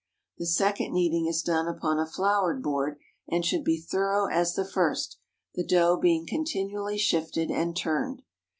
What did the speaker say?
The second kneading is done upon a floured board, and should be thorough as the first, the dough being continually shifted and turned.